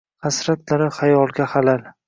Hasratlari xayolga xalal.